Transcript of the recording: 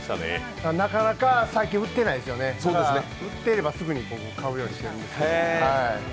なかなか最近、売ってないですよね、売ってればすぐに買うようにしているんですけど。